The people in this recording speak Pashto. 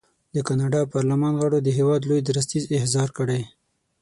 د کاناډا پارلمان غړو د هېواد لوی درستیز احضار کړی.